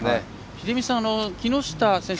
秀道さん、木下選手